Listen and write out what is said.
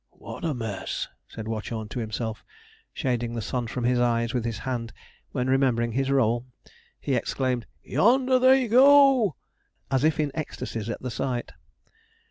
'What a mess!' said Watchorn to himself, shading the sun from his eyes with his hand; when, remembering his rôle, he exclaimed, 'Y o o n der they go!' as if in ecstasies at the sight.